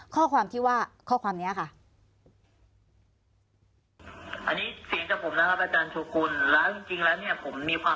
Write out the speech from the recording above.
ข้อความที่ว่าข้อความนี้ค่ะ